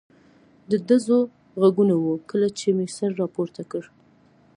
د ډزو غږونه و، کله چې مې سر را پورته کړ.